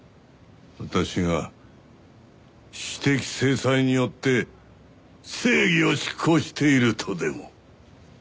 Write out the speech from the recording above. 私が私的制裁によって正義を執行しているとでも？